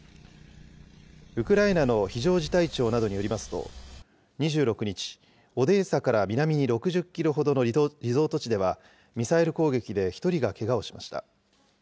ウクライナの非常事態庁などによりますと、２６日、オデーサから南に６０キロほどのリゾート地では、ミサイル攻撃で１人がけがをしました。